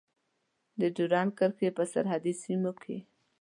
د ډیورند کرښې په سرحدي سیمو کې.